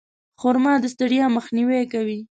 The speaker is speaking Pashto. خرما د ستړیا مخنیوی کوي.